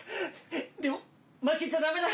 でもまけちゃダメだ。